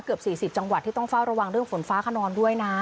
เกือบ๔๐จังหวัดที่ต้องเฝ้าระวังเรื่องฝนฟ้าขนองด้วยนะ